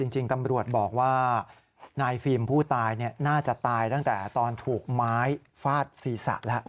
จริงตำรวจบอกว่านายฟิล์มผู้ตายน่าจะตายตั้งแต่ตอนถูกไม้ฟาดศีรษะแล้ว